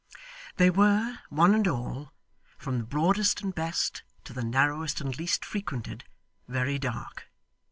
They were, one and all, from the broadest and best to the narrowest and least frequented, very dark.